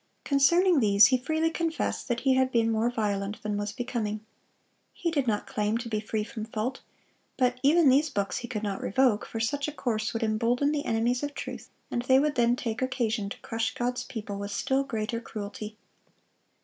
Concerning these he freely confessed that he had been more violent than was becoming. He did not claim to be free from fault; but even these books he could not revoke, for such a course would embolden the enemies of truth, and they would then take occasion to crush God's people with still greater cruelty.